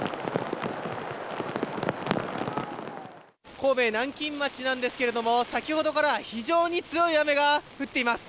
神戸・南京町なんですけども先ほどから非常に強い雨が降っています。